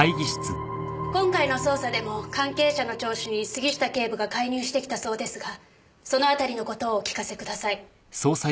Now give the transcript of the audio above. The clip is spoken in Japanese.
今回の捜査でも関係者の聴取に杉下警部が介入してきたそうですがそのあたりの事をお聞かせください。